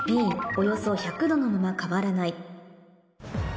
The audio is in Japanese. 「およそ１００℃のまま変わらない」